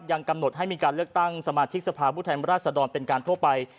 ยังกำหนดให้มีการเลือกตั้งสมาธิกสภาพผู้แทนราชดรเป็นการทั่วไป